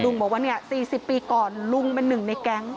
บอกว่า๔๐ปีก่อนลุงเป็นหนึ่งในแก๊ง